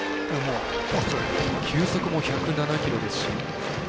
球速も１０７キロですし。